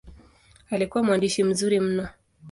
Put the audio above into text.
Alikuwa mwandishi mzuri mno.